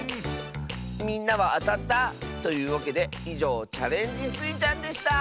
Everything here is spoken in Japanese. みんなはあたった？というわけでいじょう「チャレンジスイちゃん」でした！